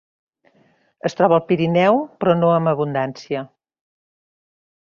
Es troba al Pirineu, però no amb abundància.